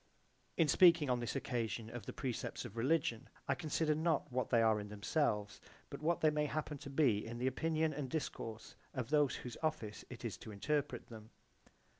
(In speaking on this occasion of the precepts of religion I consider not what they are in themselves but what they may happen to be in the opinion and discourse [?] of those whose office it is to interpret them.